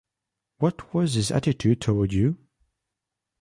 What was his attitude toward you?